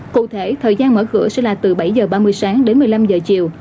cụ thể thời gian mở cửa sẽ là từ bảy h ba mươi sáng đến một mươi năm giờ chiều